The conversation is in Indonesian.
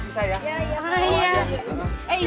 selamat ya ibu